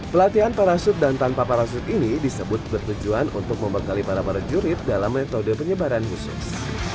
pelatihan parasut dan tanpa parasut ini disebut bertujuan untuk membekali para para jurid dalam metode penyebaran khusus